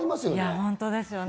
本当ですよね。